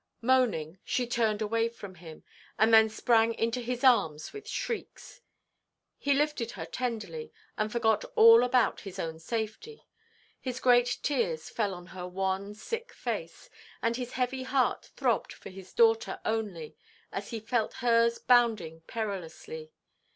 Moaning, she turned away from him; and then sprang into his arms with shrieks. He lifted her tenderly, and forgot all about his own safety. His great tears fell on her wan, sick face; and his heavy heart throbbed for his daughter only, as he felt hers bounding perilously.